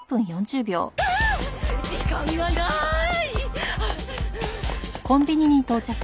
時間がない！